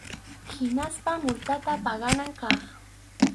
Hinaspa multata paganan kaq.